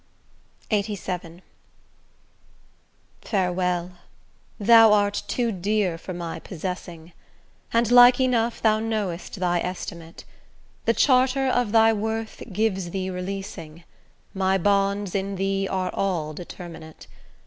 LXXXVII Farewell! thou art too dear for my possessing, And like enough thou know'st thy estimate, The charter of thy worth gives thee releasing; My bonds in thee are all determinate.